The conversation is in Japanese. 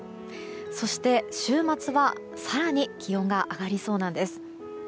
そして、週末は更に気温が上がりそうなんです。